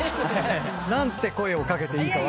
何て声を掛けていいか。